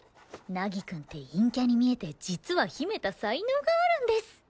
凪くんって陰キャに見えて実は秘めた才能があるんです。